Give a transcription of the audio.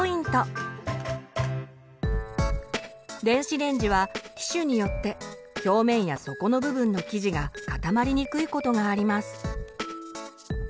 電子レンジは機種によって表面や底の部分の生地が固まりにくいことがあります。